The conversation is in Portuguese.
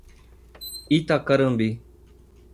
Itacarambi